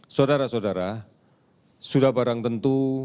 saudara saudara sudah barang tentu